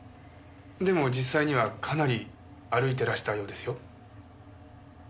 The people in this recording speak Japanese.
でも実際にはかなり歩いてらしたようですよ？